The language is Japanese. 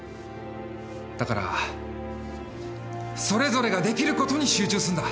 だからそれぞれができることに集中すんだ。